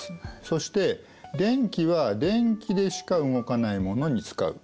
そして電気は電気でしか動かないものに使う。